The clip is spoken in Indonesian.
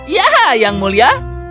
ya yang mulia